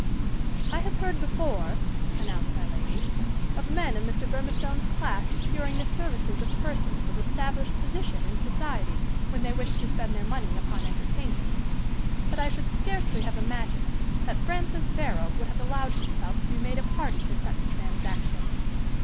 "I have heard before," announced my lady, "of men of Mr. Burmistone's class securing the services of persons of established position in society when they wished to spend their money upon entertainments; but I should scarcely have imagined that Francis Barold would have allowed himself to be made a party to such a transaction."